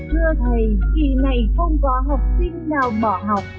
thưa thầy kỳ này không có học sinh nào bỏ học